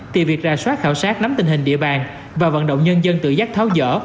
thì việc rà soát khảo sát nắm tình hình địa bàn và vận động nhân dân tự giác tháo rỡ